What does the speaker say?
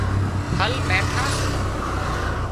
ڦل ميٺان سي